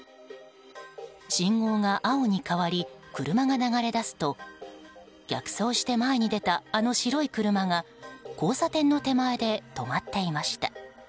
信号が青に変わり車が流れ出すと逆走して前に出た、あの白い車が交差点の手前で止まっていました。